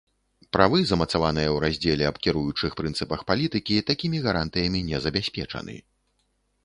Правы, замацаваныя ў раздзеле аб кіруючых прынцыпах палітыкі, такімі гарантыямі не забяспечаны.